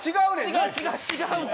違う違う違うって。